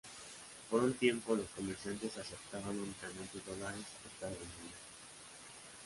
Por un tiempo, los comerciantes aceptaban únicamente dólares estadounidenses.